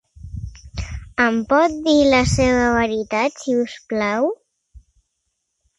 Em pot dir la seva veritat, si us plau?